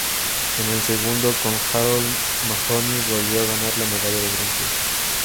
En el segundo, con Harold Mahony, volvió a ganar la medalla de bronce.